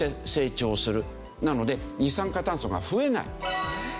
なので二酸化炭素が増えない。